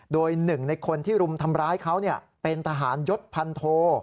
โดยหนึ่งในคนที่รุมทำร้ายเขาเป็นทหารยศพันโท